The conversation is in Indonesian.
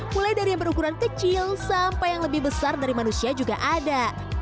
mulai dari yang berukuran kecil sampai yang lebih besar dari manusia juga ada